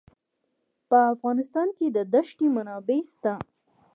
په افغانستان کې د دښتې منابع شته.